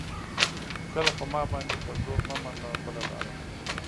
ګله ! په ما باندې په زور مه منه بله لاره